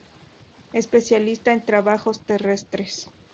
Especialista en trabajos terrestres.